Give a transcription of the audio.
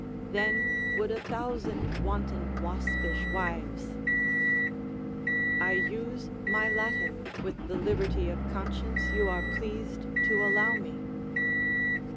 Then would a thousand wanton, waspish wives, (I use my Latin with the liberty of conscience you are pleased to allow me.)